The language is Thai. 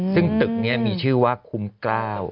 ซึ่งตึกนี้มีชื่อว่าคุ้มกล้าว